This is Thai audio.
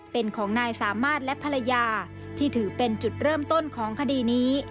เป็นของนายสามารถและภรรยาที่ถือเป็นจุดเริ่มต้นของคดีนี้